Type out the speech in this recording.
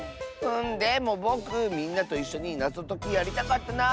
でもぼくみんなといっしょになぞときやりたかったなあ。